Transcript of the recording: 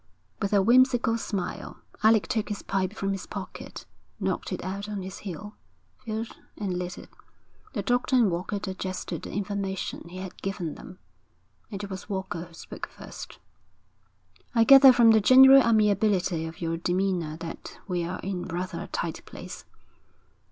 With a whimsical smile, Alec took his pipe from his pocket, knocked it out on his heel, filled and lit it. The doctor and Walker digested the information he had given them. It was Walker who spoke first. 'I gather from the general amiability of your demeanour that we're in rather a tight place.'